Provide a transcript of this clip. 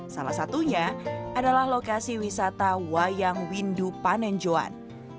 salah satunya adalah lokasi wisata wayang windu panenjoan